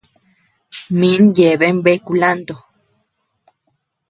Min yeabean bea kulanto.